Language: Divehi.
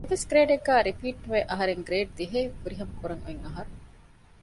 އެއްވެސް ގްރޭޑެއްގައި ރިޕީޓް ނުވެ އަހަރެން ގްރޭޑް ދިހައެއް ފުރިހަމަ ކުރަން އޮތްއަހަރު